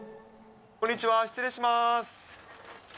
こんにちは、失礼します。